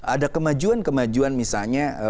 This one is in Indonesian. ada kemajuan kemajuan misalnya